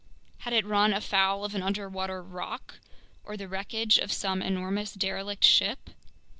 Had it run afoul of an underwater rock or the wreckage of some enormous derelict ship?